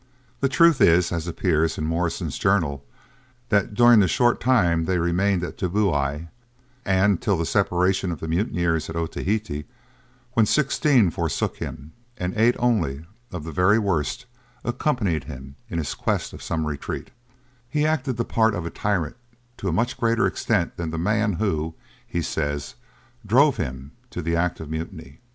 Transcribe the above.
The truth is, as appears in Morrison's journal, that during the short time they remained at Tabouai, and till the separation of the mutineers at Otaheite, when sixteen forsook him, and eight only, of the very worst, accompanied him in quest of some retreat, he acted the part of a tyrant to a much greater extent than the man who, he says, drove him to the act of mutiny.